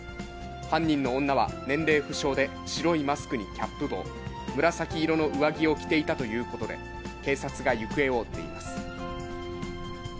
犯人の女は年齢不詳で、白いマスクにキャップ帽、紫色の上着を着ていたということで、警察が行方を追っています。